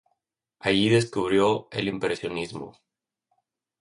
Allí descubrió el Impresionismo.